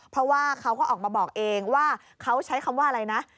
เพราะว่าเขาก็ออกมาบอกเองว่าเขาใช้คำว่าอะไรนะ